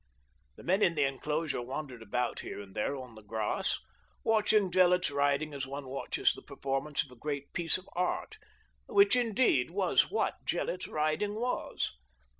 " The men in the enclosure wandered about here and there on the grass, watching Gillett's riding as one watches the performance of a great piece of art — which, indeed, was what Gillett's riding was.